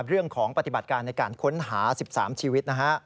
เรื่องของปฏิบัติการในการค้นหา๑๓ชีวิต